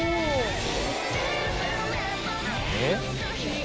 えっ？